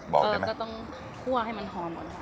บอกได้ไหมเออก็ต้องคั่วให้มันหอมก่อน